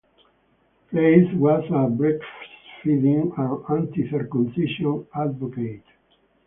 Fleiss was a breastfeeding and anti-circumcision advocate.